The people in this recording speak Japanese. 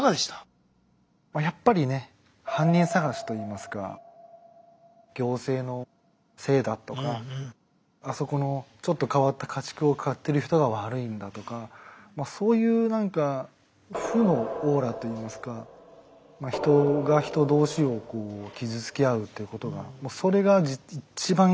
まあやっぱりね犯人捜しといいますか行政のせいだとかあそこのちょっと変わった家畜を飼ってる人が悪いんだとかそういう何か負のオーラといいますかまあ人が人同士を傷つけ合うっていうことがそれが一番嫌でしたね。